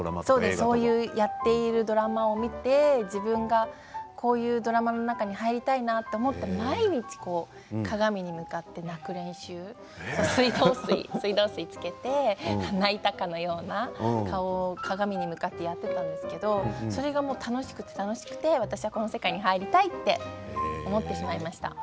そういうやっているドラマを見て自分が、こういうドラマの中に入りたいなと毎日、鏡に向かって泣く練習を水道水をつけて泣いたかのような顔を鏡に向かってやってたんですけどそれが楽しくて楽しくて私は、この世界に入りたいって思ってしまいました。